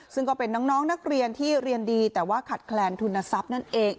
ซึ่งก็เป็นน้องนักเรียนที่เรียนดีแต่ว่าขาดแคลนทุนทรัพย์นั่นเอง